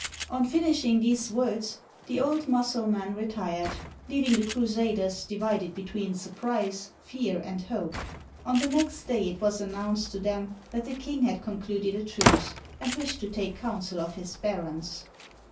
On finishing these words, the old Mussulman retired, leaving the crusaders divided between surprise, fear, and hope. On the next day it was announced to them that the king had concluded a truce, and wished to take coun sel of his barons.